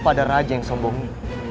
pada raja yang sombong